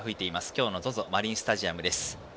今日のＺＯＺＯマリンスタジアム。